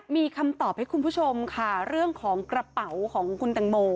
มีคำตอบให้คุณผู้ชมค่ะเรื่องของกระเป๋าของคุณตังโม